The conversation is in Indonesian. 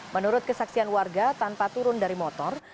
menurut kesaksian warga tanpa turun dari motor